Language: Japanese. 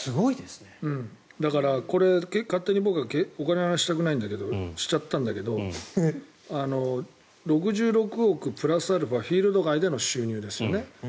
だからこれ、勝手に僕がお金の話、したくないけどしちゃったんだけど６６億、プラスアルファフィールド外での収入ですよね。